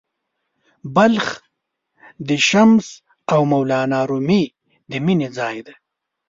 بلخ د “شمس او مولانا رومي” د مینې ځای و.